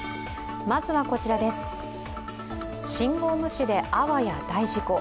信号無視であわや大事故。